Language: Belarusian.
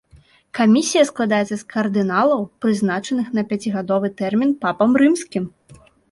Камісія складаецца з кардыналаў, прызначаных на пяцігадовы тэрмін папам рымскім.